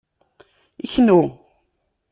Knnu!